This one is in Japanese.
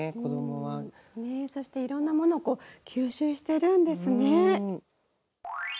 そしていろんなものを吸収してるんですね。